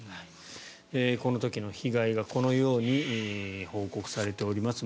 この時の被害がこのように報告されています。